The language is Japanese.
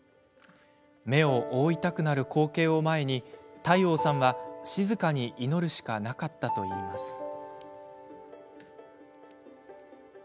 目を覆いたくなる光景を前に諦應さんは静かに祈るしかなかったといいます。